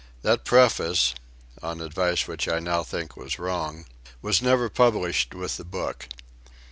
That preface on advice (which I now think was wrong) was never published with the book.